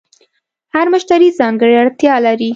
هر مشتری ځانګړې اړتیا لري.